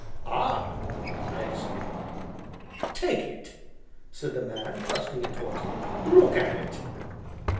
"Ah!" I exclaimed. "Take it!" said the man, thrusting it towards me; "look at it!"